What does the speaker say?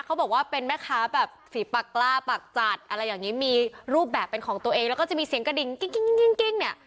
เขาบอกว่าเป็นแม่ค้าแบบฝีปากกล้าปากจัดอะไรอย่างนี้มีรูปแบบเป็นของตัวเองแล้วก็จะมีเสียงกระดิ่งกิ้งเนี่ย